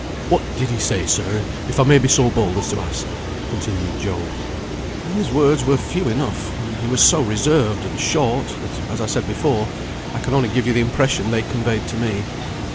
"What did he say, sir, if I may be so bold as to ask?" continued Job. "His words were few enough, and he was so reserved and short, that as I said before, I can only give you the impression they conveyed to me.